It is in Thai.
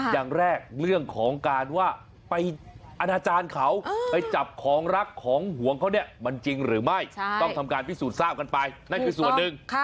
อย่างแรกเรื่องของการว่าไปอนาจารย์เขาไปจับของรักของห่วงเขาเนี่ยมันจริงหรือไม่ต้องทำการพิสูจน์ทราบกันไปนั่นคือส่วนหนึ่ง